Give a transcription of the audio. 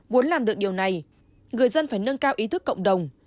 muốn làm được điều này người dân phải nâng cao ý thức cộng đồng